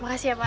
makasih ya pak